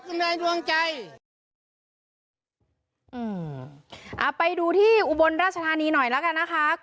คุณสุลินบอกว่ามีความผูกพันกับคุณนักศิลป์ทำให้ดีใจมาก